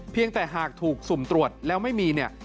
แต่หากถูกสุ่มตรวจแล้วไม่มีเนี่ย